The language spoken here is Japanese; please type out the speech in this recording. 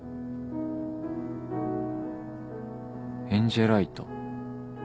エンジェライト。